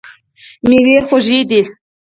میوې خوږې دي.